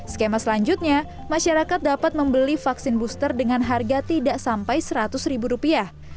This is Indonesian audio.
skema selanjutnya masyarakat dapat membeli vaksin booster dengan harga tidak sampai seratus ribu rupiah